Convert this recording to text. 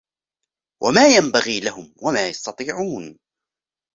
وَمَا يَنْبَغِي لَهُمْ وَمَا يَسْتَطِيعُونَ